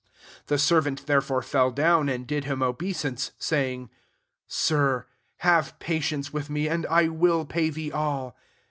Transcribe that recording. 26 The servant therefore fell down and did him obeisance, saying, * Sir, have patience with me, and I will pay thee all.'